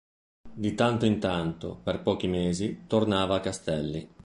Di tanto in tanto, per pochi mesi, tornava a Castelli.